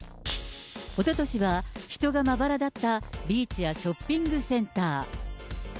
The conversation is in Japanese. おととしは人がまばらだったビーチやショッピングセンター。